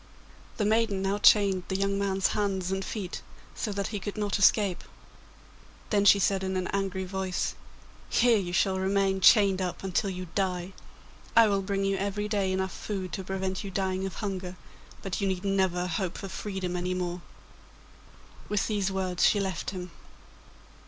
The maiden now chained the young man's hands and feet so that he could not escape; then she said in an angry voice, 'Here you shall remain chained up until you die. I will bring you every day enough food to prevent you dying of hunger, but you need never hope for freedom any more.' With these words she left him.